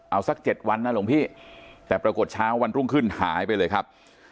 เอาสัก๗วันนะหลวงพี่แต่ปรากฏเช้าวันรุ่งขึ้นหายไปเลยครับ